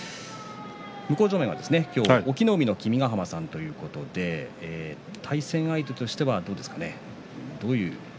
向正面は隠岐の海の君ヶ濱さんということで対戦相手としては、どうですか。